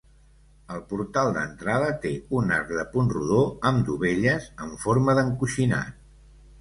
El portal d'entrada té un arc de punt rodó amb dovelles en forma d'encoixinat.